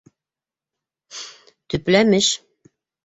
Төпләмеш.